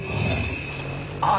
ああ